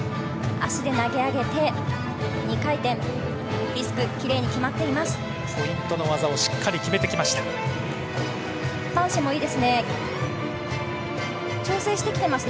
足で投げ上げて２回転、リスク、キレイに決まっています。